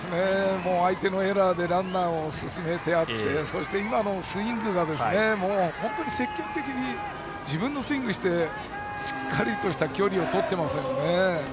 相手のエラーでランナーを進めてそして、今のスイングが本当に積極的に自分のスイングをしてしっかりとした距離をとっていますね。